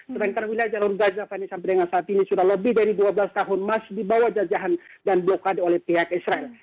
sedangkan wilayah jalur gaza fani sampai dengan saat ini sudah lebih dari dua belas tahun masih dibawa jajahan dan blokade oleh pihak israel